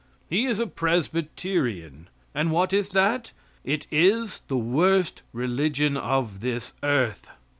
He is a Presbyterian; and what is that? It is the worst religion of this earth.